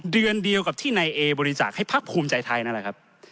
เดือนเดียวกับที่นายเอบริจาคให้พักภูมิใจไทยนั่นแหละครับ